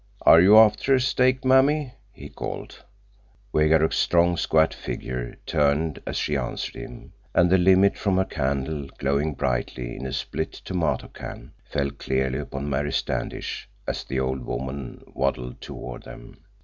Are you after a steak, Mammy?" he called. Wegaruk's strong, squat figure turned as she answered him, and the light from her candle, glowing brightly in a split tomato can, fell clearly upon Mary Standish as the old woman waddled toward them.